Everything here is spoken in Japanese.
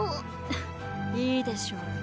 ふっいいでしょう。